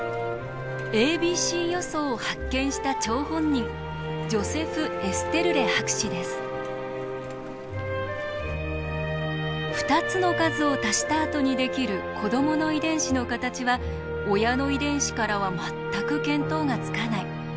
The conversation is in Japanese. ａｂｃ予想を発見した張本人２つの数をたしたあとにできる子どもの遺伝子の形は親の遺伝子からは全く見当がつかない。